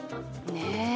ねえ。